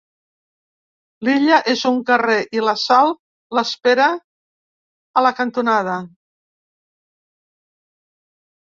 L'illa és un carrer i la Sal l'espera a la cantonada.